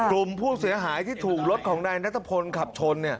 กลุ่มผู้เสียหายที่ถูกรถของนายนัทพลขับชน